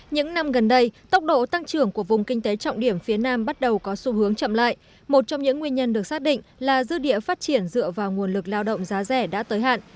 những năm gần đây tốc độ tăng trưởng của vùng kinh tế trọng điểm phía nam bắt đầu có xu hướng chậm lại một trong những nguyên nhân được xác định là dư địa phát triển dựa vào nguồn lực lao động giá rẻ đã tới hạn